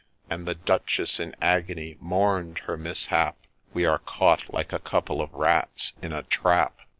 And the Duchess in agony mourn'd her mishap, ' We are caught like a couple of rata in a trap.'